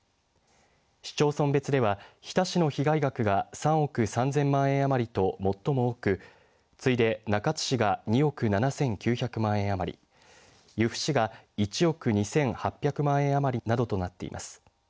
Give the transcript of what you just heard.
市町村別では、日田市の被害額が３億３０００万円余りと最も多く次いで中津市が２億７９００万円余り由布市が１億２８００万円余りなどとなっています。